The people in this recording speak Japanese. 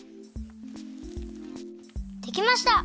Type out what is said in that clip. できました！